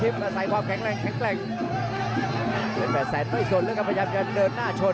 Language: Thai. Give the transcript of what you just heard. อีกส่วนเรื่องการพยายามจะเดินหน้าชน